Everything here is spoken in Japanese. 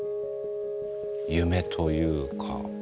夢というか。